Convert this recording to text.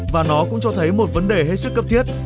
và nó cũng cho thấy một vấn đề hết sức cấp thiết